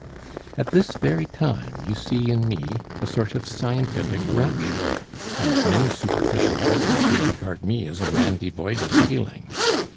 "At this very time you see in me a sort of scientific rapture, and many superficial judges would regard me as a man devoid of feeling.